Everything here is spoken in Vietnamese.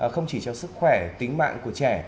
không chỉ cho sức khỏe tính mạng của trẻ